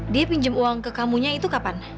dia pinjam uang ke kamunya itu kapan